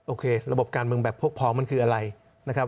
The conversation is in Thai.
โอเคระบบการเมืองแบบพวกพองมันคืออะไรนะครับ